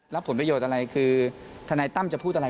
ผลประโยชน์อะไรคือทนายตั้มจะพูดอะไร